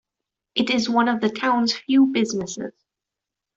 It is one of the town's few businesses.